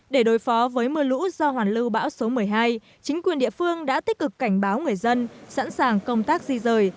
để đối phó với mưa lũ do hoàn lưu bão số một mươi hai chính quyền địa phương đã tích cực cảnh báo người dân sẵn sàng công tác di rời